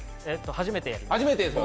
初めてやります。